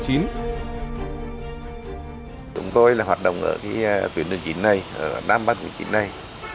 chúng tôi là hoạt động ở tuyển đường chín này ở nam bắc tuyển đường chín này